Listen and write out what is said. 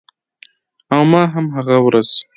او ما هم هغه ورځ